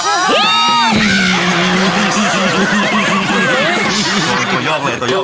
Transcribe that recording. ตัวยอม